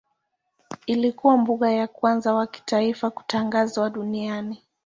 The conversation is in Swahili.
Ilikuwa mbuga ya kwanza wa kitaifa kutangazwa duniani.